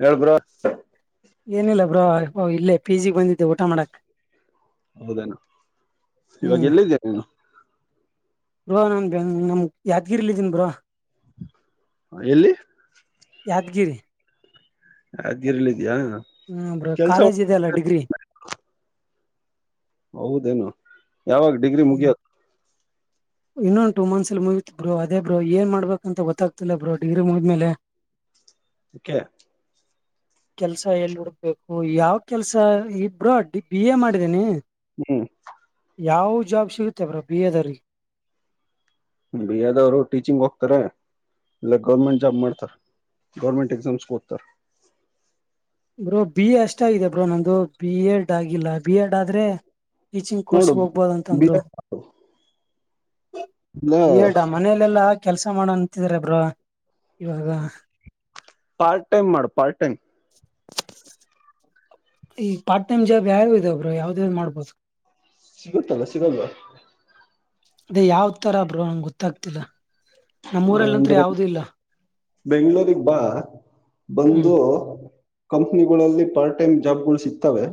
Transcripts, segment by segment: ಹೇಳು ಬ್ರೋ ಏನಿಲ್ಲ ಬ್ರೋ ಇಲ್ಲೇ ಪಿ ಜಿ ಬಂದಿದ್ದೆ ಊಟ ಮಾಡಾಕ್ ಹೌದೇನೋ ಇವಾಗ ಎಲ್ಲಿದ್ದೀ ನೀನೂ ಬೋ ನಾನ್ ನಮ್ ಯಾದಗಿರಿಯಲ್ಲ ಇದೀನ್ಿ ಬ್ರೋ ಎಲ್ಲಿ ಯಾದಗಿರಿ ಯಾದಗಿರಿ ದಿಯಾ ಹ್ಮ್ರ ಕಾಲೇಜ್ ಇದೆ ಅಲ್ಲ ಡಿಗ್ರಿ ಹೌದೇನು ಯಾವಾಗ ಡಿಗ್ರಿ ಮುಗಿಯದು ಇನ್ನೊಂದು ಟೂ ಮಂತ್ಸ್ ಅಲ್ ಮೂವಿತ್ ಬ್ರ ಅೇ ಬ್ರ ಏನ್ ಮಾಡಬೇಕ ಅಂತ ಗೊತ್ತಾಗ್ತಿಲ್ಲ ಬ್ರೋ ಡಿಗ್ರಿ ಮುವ್ಮೇಲೆ ಕ್ಕೆೆ ಕೆಲ್ಸ ಎಲ್ ಹುಡ್ಬೇಕು ಯಾವ ಕೆಲ್ಸ ಇಬರು ಅಡ್ಡಿ ಬಿ ಎ ಮಾಡಿದೇನಿ ಹ್ಮ ಯಾವ ಜಾಬ್ ಸಿಗುತ್ತೆ ಬ್ರ ಬಿ ಎದ್ರ ಬಿಿಯದವ್ರು ಟೀಚಿಂಗ್ ಹೋಗ್ತಾರೆ ಇಲ್ಲ ಗೌರ್ಮೆಂಟ್ ಜಾಬ್ ಮಾಡ್ತಾರೆ ಗೌರ್ಮೆಂಟ್ ಎಕ್ಸಾಮ್ಸ್ಗೆ ಕೊೋಗ್ತಾರೆ ಬ್ರೋ ಬಿ ಎ ಅಷ್ಟ ಆಗಿದೆ ಬ್ರೋ ನಂದು ಬಿ ಎಡ್ ಆಗಿಲ್ಲ ಬಿ ಎಡ್ ಆದ್ರೆ ಟೀಚಿಂಗ್ ನೋಡು ಕೋರ್ಸ್ಗೆ ಬಿ ಹೋಗ್ಬೋದಂತಂದ್ರು ಎಡ್ ಇಲ್ಲ ಬಿ ಎಡಾ ಮನೇಲೆೆಲ್ಲಾ ಕೆಲ್ಸ ಮಾಡ ಅಂತಿದ್ರಬ್ರಾ ಇವಾಗ ಪಾರ್ಟ ಟೈಮ ಮಾಡ ಪಾರ್ ಟೈ್ [inaudible] ಈ ಪಾರ್ಟ್ ಟೈಮ ಜಾಬ್ ಯಾರು ಇದ ಬರು ಯಾವ್ದದ ಮಾಡ್ಬೋದು ಸಿಗುತ್ತಲ್ಲ ಸಿಗಲ್ವಾ ಅದೇ ಯಾವ್ ತರ ಬ್ರ ನಮ್ಗೆ ಗೊತ್ತಾಗ್ತಿಲ್ಲಾ ಹ ಅಂದ್ರೆ ಬೆಂಗ್ಗಳೂಗ್ ಬಾ ಹ್ಮ್ ಬಂದು ಕಂಪ್ನಿಗಳಲ್ಲಿ ಪಾರ್ಟ್ ಟೈಮ್ ಜಾಬ್ಗಳು ಸಿಗ್ತವೆ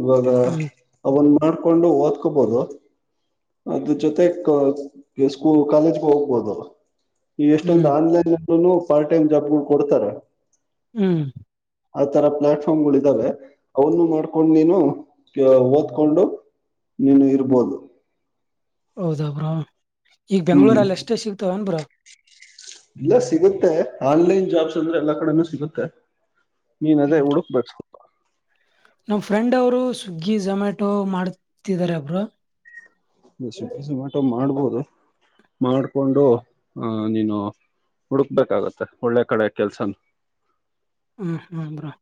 ಇವಾಗ ಹ್ಮ್ ಅವನ್ ಮಾಡ್ಕೊಂಡು ಓದ್ಕೋಬೋದು ಅದ್ರ ಜೊತೆ ಸ್ಕೂಲ್ ಕಾಲೇಜ್ಗ ಹೋಗ ೌದು ನೀ ಎಷ್ಟೊಂದು ಹ್ಮ್ ಆನ್ಲೈನ್ಲ್ಲ ಪಾರ್ಟ್ ಟೈಮ್ ಜಾಬ್ ಗಳು ಕೊಡ್ತಾರೆ ಹ್ಮ್ ಐತಾಳ್ [unintelligible] ಅವನು ಮಾಡ್ಕೊಂಡ್ ನೀನು ಓದ್ಕೊಂಡು ನೀನು ಇರ್ಬೋದು ಹೌದ ಬ್ರೋ ಈಗ ಹ್ಮ್ ಬೆಂಗ್ಳೂರ ಅಲ್ಲಿ ಎಷ್ಟೇ ಸಿಗ್ತಾವನ್ಬ್ರ ಇಲ್ಲ ಸಿಗುತ್ತೆ ಆನ್ಲೈನ್ ಜಾಬ್ಸ್ ಅಂದ್ರೆ ಎಲ್ಲಾ ಕಡೆನೂ ಸಿಗುತ್ತೆ ನೀನ್ ಅದೇ ಹುಡುಕ್ಬೇಕು ನಮ್ಮ್ ಫ್ರೆಂಡ್ ಅವರು ಸ್ವಿಗ್ಗಿ ಝೊಮ್ಯಾಟೊ ಮಾಡತಿದ್ದಾರೆ ಬ್ರೋ ಸ್ವಿಜಿ ಜೊಮ್ಯತೋ ಮಾಡ್ಬೋದು ಮಾಡಿಕೊಂಡು ನೀನು ಹುಡುಕ್ಬೇಕಾಗತ್ತೆ ಒಳ್ಳೆ ಕಡೆ ಕೆಲಸನ ಹಾ ಹಾ ಬ್ರಾ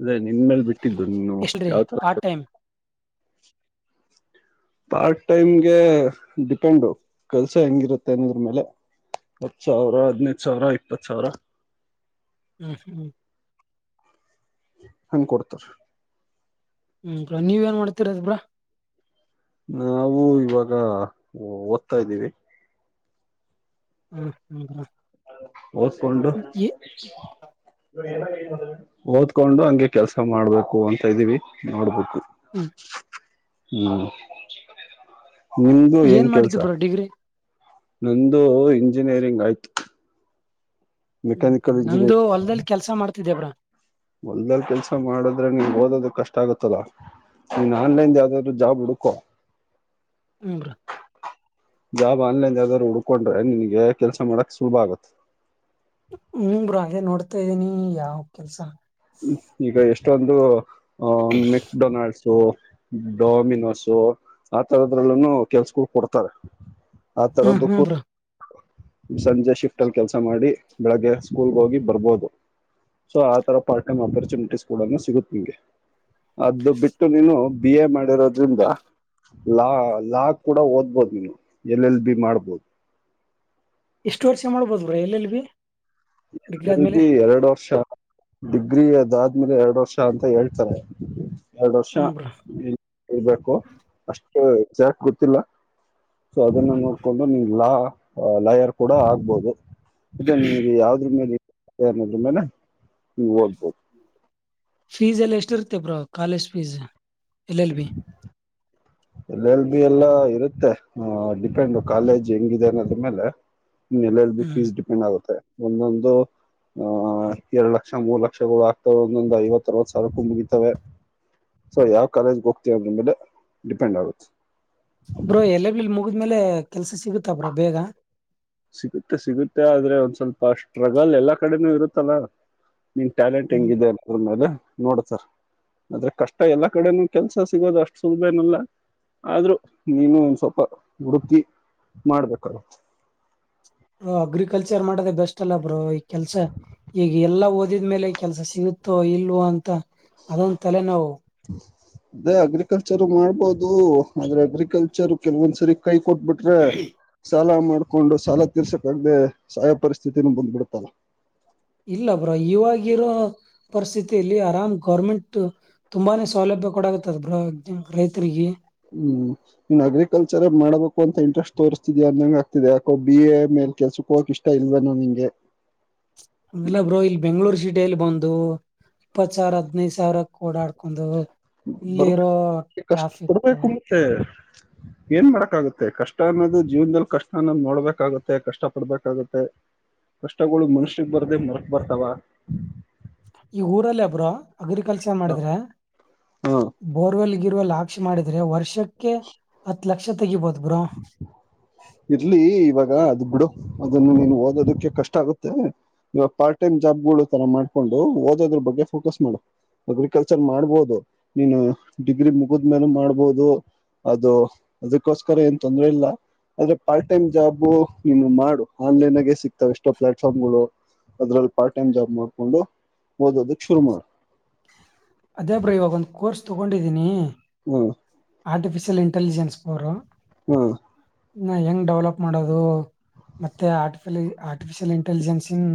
ಅದೇ ನಿನ್ ಮೇಲೆ ಬಿಟ್ಟಿದ್ದುನ್ನು ಎಷ್ಟ್ರಿ ಯಾವ ಪಾರ್ಟ್ ತರತ ಟೈಮ್ ಪಾರ್ಟ್ ಟೈಮ್ಗೆ ಡಿಪೆಂಡು ಕೆಲ್ಸ ಹೆಂಗಿರುತ್ತೆ ಅನ್ನೋದ್ರ ಮೇಲೆ ಹತ್ತು ಸಾವಿರ ಹದ್ಿನೈದು ಸಾವಿರ ಇಪ್ಪತ್ತು ಸಾವಿರ ಹ್ಮ್ ಹ್ಮ್ಮ್ ನನ್ಗ ಕೊಡ್ತಾರ ಹ್ಮ್ಾ ನೀವ ಏನ್ ಮಾಡ್ತಿರದ ಬಿ್ರಾ ನಾವು ಇವಾಗ ಓದ್ತಾ ಇದ್ದೀವಿ ಹ್ಮ್ ಹ್ಮ್ ಹ್ಮ ಹೌಸ್ಕಟು [inaudible] ಓದ್ಕೊಂಡು ಹಂಗೆ ಕೆಲ್ಸ ಮಾಡ್ಬೇಕು ಅಂತ ಇದ್ದೀವಿ ನೋಡ್ಬೇಕು ಹ್ಮ್ ಹ್ಮ್ ನಿಮ್ದು ಹೆಂಗ ಏನ್ ಮಾಡಿದ್ದು ಕೆಲ್ಸ ಬ್ರೋ ಡಿಗ್ರಿ ನಂದು ಇಂಜಿನಿಯರಿಂಗ್ ಆಯ್ತು ಹ್ಮ ಮೆಕ್ಯಾನಿಕಲ್ ಇಂಜಿನಿಯರಿಂಗ್ ನಂದುು ಹೊಲ್ದಲ್ಲಿ ಕೆಲ್ಸಾ ಮಾಡ್ತಿದ್ದೇವ್ರಾ ಮೊಲ್ಲ್ ಕೆಲ್ಸ ಮಾಡಿದ್ರೆ ನೀಮ್ಗೆ ಓದೋದ ಕಷ್ಟ ಆಗುತ್ತಲ್ಲಾ ನೀನ್ ಆನ್ಲೈನ್ ಯಾವ್ದಾದ್ರು ಜಾಬ್ ಹುಡುಕೋ ಹ್ಮ್ ಬ್ರೋ ಜಾಬ್ ಆನ್ಲೈನ್ದ್ರು ಹುಡ್ಕೊಂಡ್ರೆ ನಿನ್ಗೆ ಕೆಲ್ಸ ಮಾಡಕ್ ಸುಭ ಆಗುತ್ತೆ ಹ್ಮ ಅೇ ನೋಡ್ತಾ ಇದೀನಿ ಯಾವ ಕೆಲ್ಸ ಈಗ ಎಷ್ಟೊಂದು ಅಹ ಮೆಕ್ಡೊನಾಲ್ಡ್ಸು ಡಾಮಿನೋಸು ಆ ತರದ್ರಲ್ಲನು ಕೆಲ್ಸಗಳು ಕೊಡ್ತಾರೆ ಹ್ಮ್ ಹ್ಮ್ [unintelligible] ಬ್ರೋ ಸಂಜೆ ಶಿಫ್ಟಲ್ಲಿ ಕೆಲಸ ಮಾಡಿ ಬೆಳಗ್ಗೆ ಸ್ಕೂಲ್ಗೆ ಹೋಗಿ ಬರ್ಬೋದು ಸೊ ಆ ತರ ಪಾರ್ಟ್ ಟೈಮ್ ಅಪಾರ್ಚುನಿಟೀಸ್ ಕೂಡ ಸಿಗುತ್ತ ನಿಮಗೆ ಅದು ಬಿಟ್ಟು ನೀನು ಬಿ ಎ ಮಾಡಿರೋದ್ರಿಂದ ಲಾ ಲಾ ಕೂಡ ಓದ್ಬೋದು ನೀವು ಎಲ್ ಎಲ್ ಬಿ ಮಾಡ್ಬೋದು ಎಷ್ಟು ವರ್ಷ ಮಾಡ್ಬೋದು bro L L B degree ಲ್ ಆದ್ಮೇಲೆ ಬಿ ಎರಡು ವರ್ಷ ಡಿಗ್ರಿ ಅದಾದ್ಮೇಲೆ ಎರಡು ವರ್ಷ ಅಂತ ಹೇಳ್ತಾರೆ ಎರಡ್ ವರ್ಷ ಹ್ಮ್ ಬ್ರೋ ಇಳ್ಬೇಕು ಅಷ್ಟು ಚಾಕ್ ಗೊತ್ತಿಲ್ಲ ಸೊ ಅದನ್ನು ನೋಡ್ಕೊಂಡು ನಿನ್ ಲಾ ಲಯರ್ ಕೂಡ ಆಗ್ಬಹುದು ಅದೇ ನಿನಗೆ ಯಾವ್ದ್ರ ಮೇಲೆ ಇಂಟರೆಸ್ಟ್ ಇದೆ ಅನ್ನೋದರ ಮೇಲೆ ನೀನ್ ಓದಬಹುದು ಫೀಸ್ ಎಲ್ಲ ಎಷ್ಟ ಇರ್ತೇ bro college fees L L B L L B ಎಲ್ಲ ಇರುತ್ತೆ ಹ ಡಿಪೆಂಡ್ ಕಾಲೇಜ್ ಹೆಂಗಿದೆ ಅನ್ನೋದ ಮೇಲೆ ನೆಲೆಯಲ್ಲಿ ಬಿ ಹ್ಮ್ ಫೀಸ್ ಡಿಪೆಂಡ್ ಆಗುತ್ತೆ ಒಂದೊಂದು ಆಹ ಎರಡ್ ಲಕ್ಷ ಮೂರು ಲಕ್ಷಗಳು ಆಗ್ತಾವ ಒಂದೊಂದಂದು ಐವತ್ತ ಅರವತ್ತು ಸಾವಿ ಕು ಮುಗಿತವೆ ಸೊ ಯಾವ ಕಾಲೇಜ್ಗೆ ಹೋಗ್ತವ್ರ್ಮೇಲೆ ಡಿಪೆಂಡ್ ಆಗುತ್ತೆ ಬ್ರೋ ಎಲ್ಲಲ್ ಮುಗಿದ್ಮೇಲೆ ಕೆಲ್ಸ ಸಿಗುತ್ತ ಬ್ರೋ ಬೇಗ ಸಿಗುತ್ತೆ ಸಿಗುತ್ತೆ ಆದ್ರೆ ಒಂದ್ ಸ್ವಲ್ಪ ಸ್ಟ್ರಗಲ್ ಎಲ್ಲಾ ಕಡೆನೂ ಇರುತ್ತಲ್ಲ ನಿನ್ ಟ್ಯಾಲೆಂಟ್ ಹ್ಮ್ ಹೆಂಗಿದೆ ಅನ್ನದ್ರ ಮೇಲೆ ನೋಡ ಸರ್ ಆದ್ರೆ ಕಷ್ಟ ಎಲ್ಲಾ ಕಡೆನೂ ಕೆಲ್ಸ ಸಿಗೋದು ಅಷ್ಟು ಸುಲಭ ಏನಲ್ಲ ಆದ್ರೂ ನೀನು ಒಂದ್ ಸ್ವಲ್ಪ ಹುಡುಕಿ ಮಾಡ್ಬೇಕ ಅಗ್ರಿಕಲ್ಚರ್ ಮಾಡದ ಬೆಸ್ಟ್ ಅಲ್ಲ ಬ್ರೋ ಈ ಕೆಲ್ಸ ಈಗ ಎಲ್ಲಾ ಓದಿದ್ಮೇಲೆ ಕೆಲ್ಸ ಸಿಗುತ್ತೋ ಇಲ್ವೋ ಅಂತ ಅದೊಂದು ತಲೆ ನೊವು [unintelligible] ಅದೇ ಅಗ್ರಿಕಲ್ಚರ್ ಮಾಡ್ಬೋದು ಆದ್ರೆ ಅಗ್ರಿಕಲ್ಚರ್ ಕೆಲವೊಂದ್ಸರಿ ಕೈ ಕೊಟ್ಬಿಟ್ಟು ಆದ್ರೆ ಸಾಲ ಮಾಡ್ಕೊಂಡು ಸಾಲ ತೀರ್ಸಕಾಗ್ದೆ ಸಾಯೋ ಪರಿಸ್ಥಿತಿ ನು ಬಂದ್ಬಿಡ್ತಲ್ಲ ಇಲ್ಲ ಬ್ರೊ ಇವಾಗಿರೋ ಪರಿಸ್ಥಿತಿಯಲ್ಲಿ ಆರಾಮ್ ಗೌರ್ಮೆಂಟ್ ತುಂಬಾನೇ ಸೌಲಭ್ಯ ಕೊಡಗತ್ತದ ರೈತರಿಗೆ ಹ್ಮ್ ಇನ್ ಅಗ್ರಿಕಲ್ಚರ್ ಮಾಡಬೇಕು ಅಂತ ಇಂಟ್ರೆಸ್ಟ್ ತೋರಿಸ್ತಿದಿ ಅಂದಂಗ ಆತಿದೆ ಯಾಕೋ ಬಿ ಎ ಮೇಲೆ ಕೆಲ್ಸಕ್ ಹೋಗಕ್ ಇಷ್ಟ ಇಲ್ವೆನೊ ನಿಂಗೆ ಹಂಗಲ್ಲ ಬ್ರೋ ಇಲ್ಲಿ ಬೆಂಗ್ಗಳೂರು ಸಿಟಿಯಲ್ಲಿ ಬಂದು ಇಪ್ಪತ್ ಸಾವಿರ ಹದ್ನೈದು ಸಾವಿರಕ್ ಓಡಾಡ್ಕೊಂಡ ಇಲ್ಲಿರೋ ಟ್ರಾಫಿಕ್ ಹ್ಮ್ ಏನ್ ಮಾಡಕ್ ಆಗತ್ತೆ ಕಷ್ಟ ಅನ್ನೋದು ಜೀವನದಲ್ಲಿ ಕಷ್ಟ ಅನ್ನೋದು ನೋಡ್ಬೇಕಾಗತ್ತೆ ಕಷ್ಟ ಪಡ್ಬೇಕಾಗತ್ತೆ ಕಷ್ಟಗಳು ಮನುಷ್ಯಿಗೆ ಬರ್ದೆ ಮರಕ್ಬರ್ತವ ಈ ಊರಲ್ಲಿ ಒಬ್ರ ಅಗ್ರಿಕಲ್ಚರ್ ಮಾಡಿದ್ರೆ ಹ ಬೋರ್ವೆಲ್ಗ ಗಿರ್ವಲ್ ಆಕ್ಷೆ ಮಾಡಿದ್ರೆ ವರ್ಷಕ್ಕೆ ಹತ್ ಲಕ್ಷ ತೆಗಿಬೋದು ಬ್ರೋ ಇರ್ಲಿ ಇವಾಗ ಅದು ಬಿಡು ಅದನ್ನು ನೀನು ಓದೋದಕ್ಕೆ ಕಷ್ಟ ಆಗುತ್ತೆ ಇವಾಗ ಪಾರ್ಟ್ ಟೈಮ್ ಜಾಬ್ ಗಳು ತರ ಮಾಡ್ಕೊಂಡು ಓದೋದ್ರ ಬಗ್ಗೆ ಫೋಕಸ್ ಮಾಡು ಅಗ್ರಿಕಲ್ಚರ್ ಮಾಡ್ಬೋದು ನೀನು ಡಿಗ್ರಿ ಮುಗಿದ ಮೇಲೆ ಮಾಡ್ಬೋದು ಅದು ಅದಕ್ಕೋಸ್ಕರ ಏನ್ ತೊಂದ್ರ ಇಲ್ಲ ಆದ್ರೆ ಪಾರ್ಟ್ ಟೈಮ್ ಜಾಬು ನೀ ಮಾಡು ಆನ್ಲೈನ್ಗೇ ಸಿಕ್ತಾವ ಎಷ್ಟೋ ಪ್ಲಾಟ್ಫಾರ್ಮ್ಗಳು ಇದ್ರಲ್ ಪಾರ್ಟ್ ಟೈಮ್ ಜಾಬ್ ಮಾಡ್ಕೊಂಡು ಓದೋದಕ್ ಶುರು ಮಾಡು. ಅದೇ ಬ್ರೊ ಇವಗೊಂದ್ ಕೋರ್ಸ್ ತೊಗೊಂಡಿದೀನಿ. ಹ್ಮ ಆರ್ಟಿಫಿಷಿಯಲ್ ಇಂಟೆಲಿಜೆನ್ಸ್ ಬ್ರೊ ಹ್ಮ ನಾ ಹೆಂಗ್ ಡೆವ್ಲಪ್ ಮಾಡೋದು, ಮತ್ತೆ ಆರ್ಟಿಫಲಿ ಆರ್ಟಿಫಿಷಿಯಲ್ ಇಂಟೆಲಿಜೆನ್ಸ್ ಇನ್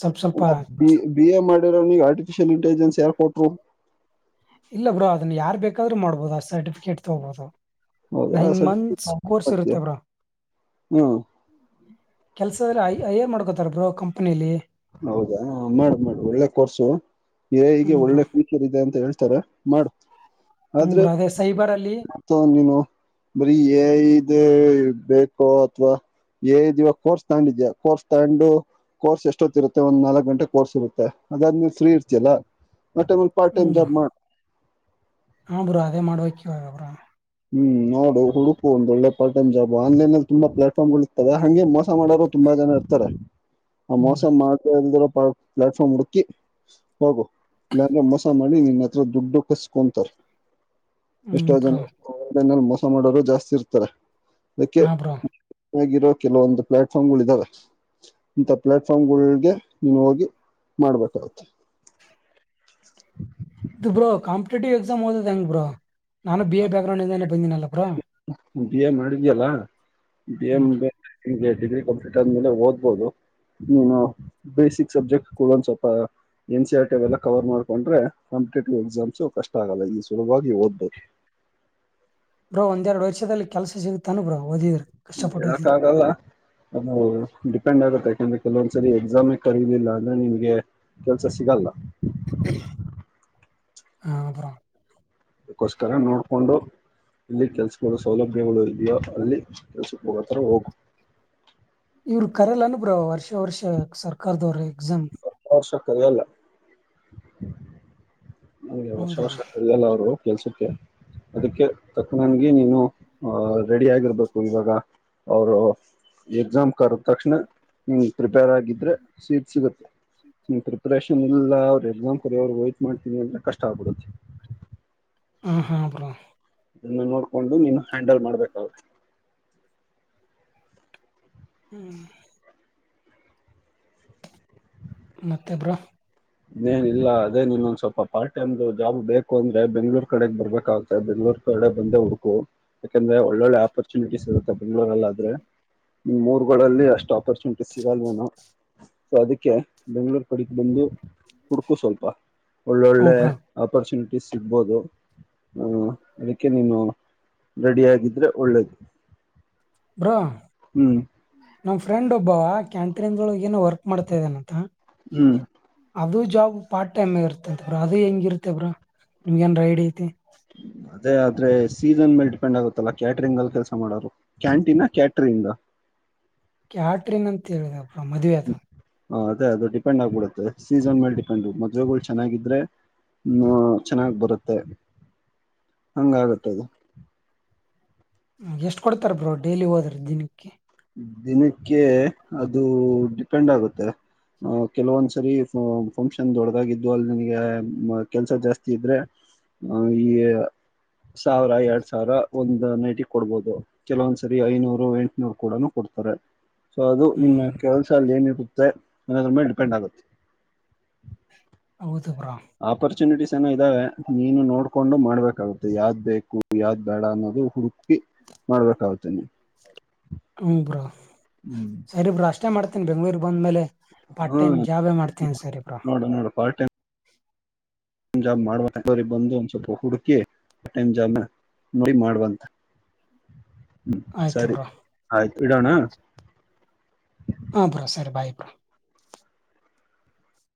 ಸ್ವಲ್ಪ ಸ್ವಲ್ಪ ಅಬ್ ಬಿ, ಬಿ ಎ ಮಾಡಿರೋನಿಗ್ ಆರ್ಟಿಫಿಷಿಯಲ್ ಇಂಟೆಲಿಜೆನ್ಸ್ ಯಾರ್ ಕೊಟ್ರು? ಇಲ್ಲ ಬ್ರೋ ಅದನ್ ಯಾರ್ ಬೇಕಾದ್ರು ಮಾಡ್ಬೋದು ಆ ಸರ್ಟಿಫಿಕೇಟ್ ತಗೋಬೋದು ಹೌದಾ ನಂಗ್ ಸರಿ ನನ್ಸ್ ಕೋರ್ಸ್ ಮಾಡ್ತೀಯ ಇರುತ್ತೆ ಬ್ರೊ ಹ್ಮ್ ಕೆಲ್ಸದ್ರೆ ಐ ಐಯರ್ ಮಾಡ್ಕೋತರೆ ಬ್ರೋ ಕಂಪನಿಲಿ. ಹೌದಾ ಮಾಡ್ ಮಾಡು, ಒಳ್ಳೆ ಕೋರ್ಸು ಎ ಐ ಗೆ ಹ್ಮ್ ಬ್ರೋ ಒಳ್ಳೆ ಫ್ಯು ಫ್ಯಾಚರ್ ಇದೆ ಅಂತ ಹೇಳ್ತರೆ ಮಾಡು. ಹ್ಮ ಆದ್ರೆ ಬ್ರೊ ಅದೆ ಸೈಬರಲ್ಲಿ ನೀನು ಬರೀ ಎ ಐ ದೆ ಬೇಕೋ ಅತ್ವಾ ಏ ಐದ್ ಇವಾಗ್ ಕೋರ್ಸ್ ತಗಂಡಿದ್ಯಾ, ಕೋರ್ಸ್ ತಗಂಡು ಕೋರ್ಸ್ ಎಷ್ಟೊತ್ ಇರುತ್ತೆ ಒಂದ್ ನಾಲಕ್ ಗಂಟೆ ಕೋರ್ಸ್ ಇರುತ್ತೆ, ಅದಾದ್ಮೇಲೆ ಫ್ರೀ ಇರ್ತಿಯಲ್ಲ ಆ ಟೈಮಲ್ ಪಾರ್ಟ್ ಟೈಮ್ ಜಾಬ್ ಮಾಡ್ ಹು ಬ್ರೊ ಅದೇ ಮಾಡ್ಬೇಕ್ ಇವಾಗ ಬ್ರೊ. ಹ್ಮ್ ನೋಡು ಹುಡುಕು ಒಂದ್ ಒಳ್ಳೆ ಪಾರ್ಟ್ ಟೈಮ್ ಜಾಬು, ಆನ್ಲೈನಲ್ ತುಂಬಾ ಪ್ಲಾಟ್ಫಾರ್ಮ್ಗಳ್ ಇರ್ತವೆ ಅಂಗೆ ಮೋಸ ಮಾಡೋ ತುಂಬಾ ಜನ ಇರ್ತಾರೆ, ಹ್ಮ್ [unintelligible] ಪ್ಲಾಟ್ಫಾರ್ಮ್ ಹುಡ್ಕಿ ಹೋಗು ಇನ್ಯಾರ್ನೋ ಮೋಸ ಮಾಡಿ ನಿನ್ ಹತ್ರ ದುಡ್ಡು ಕಸ್ಕೊಂತರೆ ಹ್ಮ್ ಎಷ್ಟೋ ಬ್ರೋ ಜನ [unintelligible] ಮೋಸ ಮಾಡೋರು ಜಾಸ್ತಿ ಇರ್ತಾರೆ ಅದ್ಕೆ ಹಾ ಬ್ರೋ ಆಗಿರೋ ಕೆಲವೊಂದು ಪ್ಲಾಟ್ಫಾರ್ಮ್ಗಳ್ ಇದಾವೆ ಇಂಥ ಪ್ಲಾಟ್ಫಾರ್ಮ್ಗಳ್ ಒಳ್ಗೆ ನೀವ್ ಹೋಗಿ ಮಾಡ್ಬೇಕಾಗುತ್ತೆ. ದಿಬ್ರೋ ಕಾಮ್ ಕಾಂಪಿಟೇಟಿವ್ ಎಕ್ಸಾಮ್ಗ್ ಓದೋದ್ ಎಂಗ್ ಬ್ರೋ, ನಾನು ಬಿ ಎ ಬ್ಯಾಗ್ರೌಂಡ್ ಇಂದಾನೆ ಬಂದಿನಲ್ಲ ಬ್ರೋ. ಬಿ ಎ ಮಾಡಿದ್ಯಲ್ಲ, ಬಿ ಎ ಹ್ಮ್ ಮುಂದೆ ಇಂಗೆ ಡಿಗ್ರಿ ಕಂಪ್ಲೀಟ್ ಆದ್ಮೇಲೆ ಓದ್ಬೋದು, ಹ್ಮ ಬೇಸಿಕ್ ಸಬ್ಜೆಕ್ಟ್ ಕೊ ಅನ್ ಸ್ವಲ್ಪ ಎನ್ ಸಿ ಆರ್ ಟಿ ಅದೆಲ್ಲ ಕವರ್ ಮಾಡ್ಕೊಂಡ್ರೆ, ಕಾಂಪಿಟೇಟಿವ್ ಎಕ್ಸಾಮ್ಸು ಕಷ್ಟ ಆಗಲ್ಲ ಈ ಸುಲಭವಾಗಿ ಓದ್ಬೋದು. ಬ್ರೋ ಒಂದೆರ್ಡ್ ವರ್ಷದಲ್ಲಿ ಕೆಲ್ಸ ಸಿಗುತ್ತನ ಬ್ರೋ ಓದಿದ್ರೆ ಕಷ್ಟಪಟ್ಟು ಓದಿದ್ರೆ ಹೇಳಕ್ಕಾಗಲ್ಲ ಅದು ಡಿಪೆಂಡ್ ಆಗುತ್ತೆ ಯಾಕಂದ್ರೆ ಕೆಲ್ವೊಂದ್ಸರಿ ಎಕ್ಸಾಮೆ ಕರೀಲಿಲ್ಲ ಅಂದ್ರೆ ನಿನ್ಗೆ ಕೆಲ್ಸಸಿಗಲ್ಲ. ಹ ಹ್ಮ್ ಬ್ರೊ ಅದುಕ್ಕೋಸ್ಕರ ನೋಡ್ಕೊಂಡು. ಇಲ್ಲಿ ಕೆಲ್ಸಗಳ ಸೌಲಭ್ಯಗಳಲ್ಲಿ, ಅಲ್ಲಿ ಕೆಲ್ಸಕ್ ಹೋಗೋತರ ಹೋಗು ಇವ್ರು ಕರಿಯಲ್ಲೇನು ಬ್ರೊ ವರ್ಷ ವರ್ಷ ಸರ್ಕಾರ್ದವ್ರ್ ಎಕ್ಸಾಮ್ಗೆ [unintelligible] ಕರ್ಗಲ್ಲ ಅಂಗೆ ವರ್ಷ ಹೌದಾ ವರ್ಷ ಕರಿಯಲ್ಲ ಅವ್ರು ಕೆಲ್ಸಕ್ಕೆ ಅದಕ್ಕೆ ತಕ್ನಂಗೆ ನೀನು ಅಹಹ್ ರೆಡಿಯಾಗಿರ್ಬೇಕು, ಇವಾಗ ಅವ್ರು ಎಕ್ಸಾಮ್ ಕರ್ದ್ ತಕ್ಷಣ ನೀನ್ ಪ್ರಿಪೇರ್ ಆಗಿದ್ರೆ ಸೀಟ್ ಸಿಗುತ್ತೆ. ನೀನ್ ಪ್ರಿಪರೇಷನ್ ಇಲ್ಲ ಅವ್ರ್ ಎಕ್ಸಾಮ್ ಕರಿಯೋವರ್ಗು ವೈಟ್ ಮಾಡ್ತೀನಿ ಅಂದ್ರೆ ಕಷ್ಟ ಆಗ್ಬಿಡುತ್ತೆ. ಹ್ಮ್ ಹ್ಮು ಬ್ರೋ ಇನ್ನು ನೋಡ್ಕೊಂಡು ನೀನು ಹ್ಯಾಂಡಲ್ ಮಾಡ್ಬೇಕಾಗುತ್ತೆ. ಹ್ಮ್ ಮತ್ತೆಬ್ ಬರುೋ ಇನ್ನೇನಿಲ್ಲ ಅದೇನಿಲ್ಲೊಂದ್ ಸ್ವಲ್ಪ ಪಾರ್ಟ್ ಟೈಮ್್ದು ಜಾಬ್ ಬೇಕು ಅಂದ್ರೆ ಬೆಂಗ್ೂ ಕಡೆಗ್ ಬರ್ಬೇಕಾಗ್ತದೆ ಬೆಂಗ್ಳೂರ್ ಡೆ ಬಂದ ಹುಡುಕು ಯಾಕಂದ್ರೆ ಒಳ್ಳೊಳ್ಳೆ ಆಪರ್ಚುನಿಟೀಸ್ ಇರುತ್ತೆ ಬೆಂಗ್ಳೂರಲ್ಲಿ ಆದ್ರೆ ಇನ್್ ಮೂರ್ಗಳಲ್ಲಿ ಅಷ್ಟು ಆಪರ್ಚುನಿಟಿ ಸಿಗಲ್ವೇನು ಸೊ ಅದಕ್ಕೆ ಬೆಂ್ಗಳೂರು ಕಡೆಗೆ ಬಂದು ಕುಡ್ಕು ಸ್ವಲ್ಪ ಹ್ಞೂ ಒಳ್ಳೊಳ್ಳೆ ಬ್ರೋ ಆಪರ್ಚುನಿಟೀ ಸಿಗ್ಬೋದು ಹ್ಮ ಅದಕ್ಕೆ ನೀನು ರೆಡಿ ಆಗಿದ್ರೆ ಒಳ್ಳೇದು ಬ್ರೋ ಹ್ಮ್ ನಮ ಫ್ರೆಂಡ್ ಒಬ್ಬವ ಕ್ಯಾಂಟ ್ರಂದಳ ಏನೋ ವರ್ಕ್ ಮಾಡ್ತಾ ಇದೇನಂತ ಹ್ಮ್ ಅದು ಜಾಬ್ ಪಾರ್ಟ ಟೈಮ್ ಆಗ ಇರತ ಅತ್ ಬ್ರ ಅದು ಹೆಂಗಿರತೇಬ್ರಾ ನಿಮ್ಗ ನ್ ರೈಡ್ ಐತಿ ಅದೇ ಆದ್ರೆ ಸೀಸನ್ ಮೇಲೆ ಡಿಪೆಂಡ್ ಆಗುತ್ತಲ್ಲ ಕ್ಯಾಟರಿಂಗ್ ಅಲ್ಲಿ ಕೆಲಸ ಮಾಡೋರು ಕ್ಯಾಂಟೀನ್ ಕ್ಯಾಟರಿಂಗ್ ಕ್ಯಾಟ್ರಿನ್ ಅಂತ ಹೇಳಿದ್ರ ಮದ್ವೆ ಆತ್ರ ಹ ಅದೇ ಅದು ಡಿಪೆಂಡ್ ಆಗ್ಬಿಡುತ್ತೆ ಸೀಸನ್ ಮೇಲೆ ಡಿಪೆಂಡ್ ಮದ್ೆಗಳು ಚೆನ್ನಾಗಿದ್ರೆ ಹ್ಮ ಚೆನ್ನಾಗ್ ಬರುತ್ತೆ ಹಂಗಾಗತ್ತೆದು ಎಷ್ಟ ಕೊಡ್ತಾರೆ ಬ್ರೋ ಡೈಲಿ ಹೋದ್ರ ದಿನಕ್ಕೆ ದಿನಕ್ಕೆ ಅದು ಡಿಪೆಂಡ್ ಆಗುತ್ತೆ ಅಹ ಕೆಲವೊಂದ್ಸರಿ ಫಂಕ್ಷನ್ ದೊಡಗಾಗಿದ್ದು ಅಲ್ಲಿ ನನಗೆ ಕೆಲ್ಸ ಜಾಸ್ತಿ ಇದ್ರೆ ಹ ಈ ಸಾವಿರ ಎರಡ್ ಸಾವಿರ ಒಂದ್ ನೈಟಿಗೆ ಕೊಡ್ಬೋುದು ಕೆಲವೊಂದ್ಸರಿ ಐನೂರು ಎಂಟುನೂರು ಕೂಡ ಕೊಡ್ತಾರೆ ಸೊ ಅದು ನಿನ್ನ ಹ್ಮ್ ಕೆಲಸಲ್ಲಿ ಏನಿರುತ್ತೆ ಅನ್ನೋದ್ರ ಮೇಲೆ ಡಿಪೆಂಡ್ ಆಗುತ್ತೆ ಹೌದುಪರ ಆಪರ್ಚುನಿಟೀಸ್ ಏನೋ ಇದ್ದಾವೆ ನೀನು ನೋಡ್ಕೊಂಡು ಮಾಡ್ಬೇಕಾಗುತ್ತೆ ಯಾವ್ದ್ ಬೇಕು ಯಾವ್ದ್ ಬೇಡ ಅನ್ನೋದು ಹುಡುಕಿ ಮಾಡ್ಬೇಕಾಗುತ್ತೇನೆ ಹ್ಮ ಬ್ರಾ ಸರಿ ಬ್ರಾ ಅಷ್ಟೇ ಮಾಡ್ತೇನಿ ಬೆಂಗ್ಳೂರಿಗೆ ಬಂದ ಮೇಲೆ ಪಾರ್ಟ್ ಟೈಮ್ ಜಾಬ್ ಮಾಡ್ತೀನ್ ಸರಿ ಬ್ರಾ ನನ್ನೋಡ ಪಾರ್್ಟ ೈ್ ಜಾಮ್ ಮಾಡ ಬಂದು ಒಂದ್ ಸ್ವಲ್ಪ ಹುಡುಕಿ ಆ ಟೈಮ್ ಜಾಮ್ ನೋಡಿ ಮಾಡುವಂತ ಹ್ಮ್ ಆಯ್ತು ಸರಿ ಬ್ರೋ ಆಯ್ತು ಇಡೋಣ ಹಾಂರಾ ಸ ಬಾಯ್ ಬರಾ